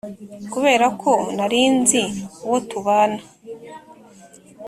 kubera ko nari nzi uwo tubana,